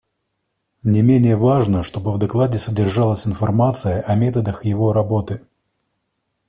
Не менее важно, чтобы в докладе содержалась информация о методах его работы.